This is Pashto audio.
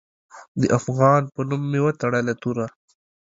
د افغان په نوم مې وتړه توره